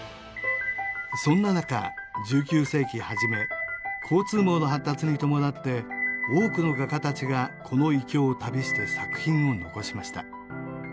そんな中１９世紀はじめ交通網の発達に伴って多くの画家たちがこの異郷を旅して作品を残しました